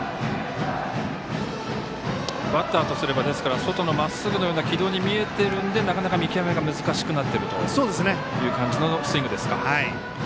バッターとしてはまっすぐの軌道に見えているのでなかなか見極めが難しくなっているというスイングですか。